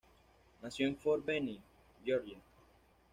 Nació en Fort Benning, Georgia.